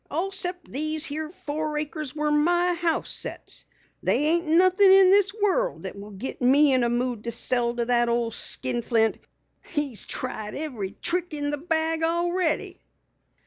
All except these here four acres where my house sets. They ain't nothin' in this world that will git me in a mood to sell to that old skinflint. He's tried every trick in the bag already."